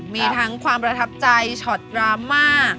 มีทั้งความประทับใจช็อตดราม่า